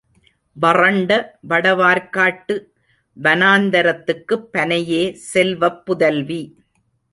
வறண்ட வடவார்க்காட்டு வனாந்தரத்துக்குப் பனையே செல்வப் புதல்வி.